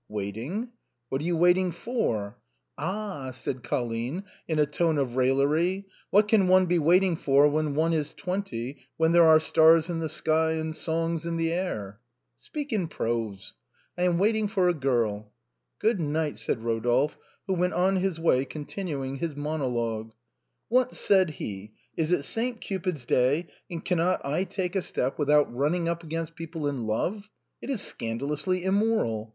" Waiting." " What are you waiting for ?"" Ah !" said Colline in a tone of raillery, " what can one be waiting for when one is twenty, when there are stars in the sky and songs in the air ?"" Speak in prose." " I am waiting for a girl." " Good night," said Eodolphe, who went on his way con tinuing his monologue. " What," said he, " is it St. Cupid's Day, and cannot I take a step without running up against LENTEN LOVES. 47 people in love ? It is scandalously immoral.